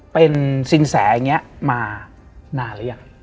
เป็นสินแสอย่างนี้มานานหรือยัง